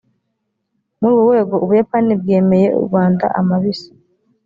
muri urwo rwego u buyapani bwemeye u rwanda amabisi